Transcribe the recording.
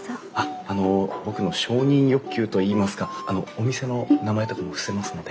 あの僕の承認欲求といいますかあのお店の名前とかも伏せますので。